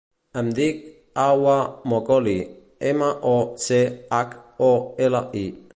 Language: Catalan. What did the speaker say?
Em dic Hawa Mocholi: ema, o, ce, hac, o, ela, i.